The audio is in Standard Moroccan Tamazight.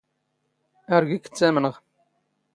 ⴰⵔ ⴳⵉⴽ ⵜⵜⴰⵎⵏⵖ.